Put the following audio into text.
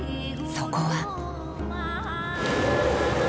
そこは。